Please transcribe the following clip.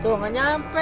tuh nge nyampe